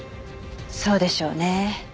そうでしょうね。